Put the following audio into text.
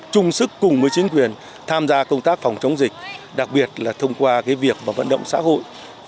chung sức cùng với chính quyền tham gia công tác phòng chống dịch đặc biệt là thông qua việc vận động xã hội